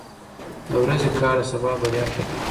• د ورځې کار د سبا بریا ټاکي.